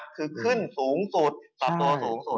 คือขึ้นสูงสุดเติบโตสูงสุด